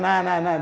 nah nah nah